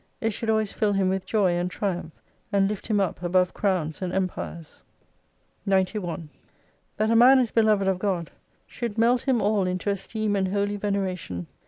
It should always fill him with joy, and triumph, and lift him up above crowns and empires. 310 01 That a man is beloved of God, should melt him all into esteem and holy veneration.